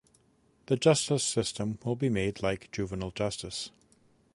The justice system will be made like juvenile justice.